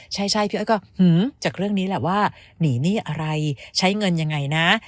ใช่พี่อ้อยก็จากเรื่องนี้แหละว่าหนีหนี้อะไรใช้เงินยังไงนะ